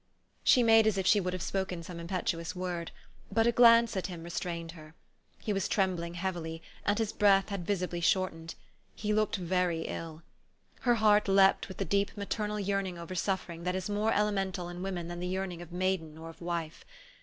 She made as if she would have spoken some im petuous word ; but a glance at him restrained her. He was trembling heavily, and his breath had visibly shortened. He looked very ill. Her heart leaped with the deep maternal yearning over suffering that is more elemental in women than the yearning of maiden or of wife.